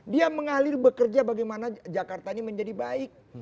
dia mengalir bekerja bagaimana jakarta ini menjadi baik